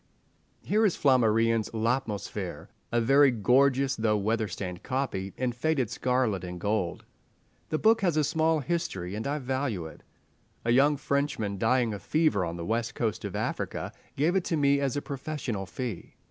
Here is Flammarion's "L'Atmosphere"—a very gorgeous though weather stained copy in faded scarlet and gold. The book has a small history, and I value it. A young Frenchman, dying of fever on the west coast of Africa, gave it to me as a professional fee.